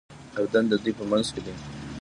اردن د دوی په منځ کې دی.